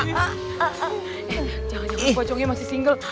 hahaha jangan jangan pocongnya masih single